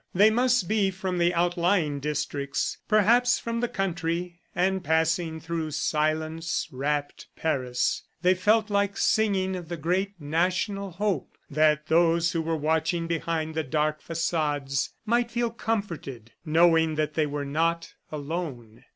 They must be from the outlying districts, perhaps from the country, and passing through silence wrapped Paris, they felt like singing of the great national hope, that those who were watching behind the dark facades might feel comforted, knowing that they were not alone.